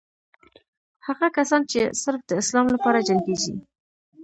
هغه کسان چې صرف د اسلام لپاره جنګېږي.